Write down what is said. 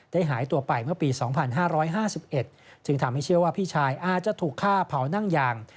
หายตัวไปเมื่อปี๒๕๕๑จึงทำให้เชื่อว่าพี่ชายอาจจะถูกฆ่าเผานั่งยาง